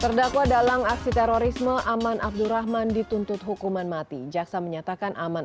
terdakwa dalam aksi terorisme aman abdurrahman dituntut hukuman mati jaksa menyatakan aman